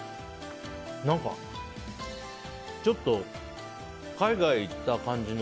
何か、ちょっと海外に行った感じの